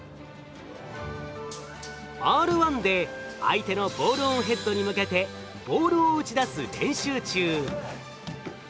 Ｒ１で相手のボールオンヘッドに向けてボールを打ち出す練習中。